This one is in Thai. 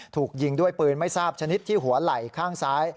ถูกยิงด้วยปืนไม่ทราบชนิดที่หัวไหล่ข้างซ้าย